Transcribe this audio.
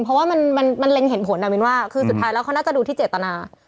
เพราะว่ามันเล็งเห็นผลคือสุดท้ายเขาน่าจะดูที่เจตนา